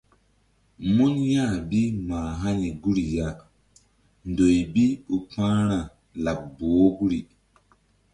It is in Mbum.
Mun ya̧h bi mah hani guri ya ndoy bi ɓu pa̧hra laɓ boh guri.